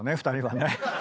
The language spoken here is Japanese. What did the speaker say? ２人はね。